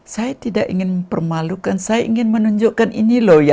saya tidak ingin mempermalukan saya ingin menunjukkan ini loh ya